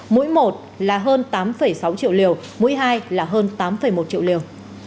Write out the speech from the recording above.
mỗi một là hơn tám sáu triệu liều mỗi hai là hơn tám một triệu liều